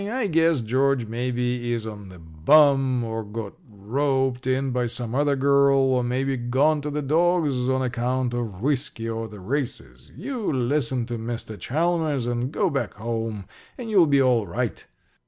I guess George, maybe, is on the bum, or got roped in by some other girl, or maybe gone to the dogs on account of whiskey or the races. You listen to Mr. Chalmers and go back home, and you'll be all right."